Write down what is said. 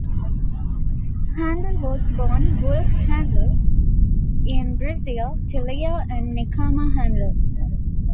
Handel was born Wolf Handel in Brazil, to Leo and Nechama Handel.